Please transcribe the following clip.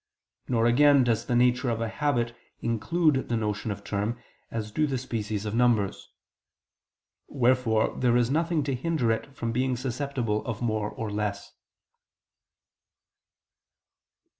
Nor again does the nature of a habit include the notion of term, as do the species of numbers. Wherefore there is nothing to hinder it from being susceptible of more or less.